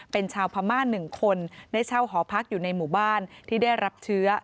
เป็นชาวพม่า๑คนได้เช่าหอพักอยู่ในหมู่บ้านที่ได้รับเชื้อ